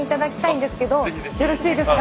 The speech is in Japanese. よろしいですか？